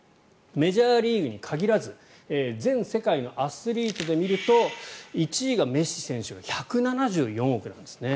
メジャーリーグに限らず全世界のアスリートで見ると１位がメッシ選手が１７４億だったんですね。